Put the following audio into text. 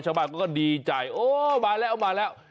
ชาวบ้านก็ดีใจโอ้มาแล้ว